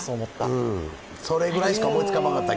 それぐらいしか思いつかなかった。